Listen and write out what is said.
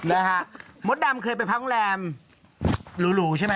นะฮะมดดำเคยไปพักโรงแรมหรูใช่ไหม